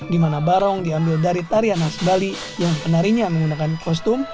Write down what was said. di mana barong diambil dari tarian khas bali yang penarinya menggunakan kostum